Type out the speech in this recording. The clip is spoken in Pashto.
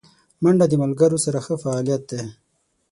منډه د ملګرو سره ښه فعالیت دی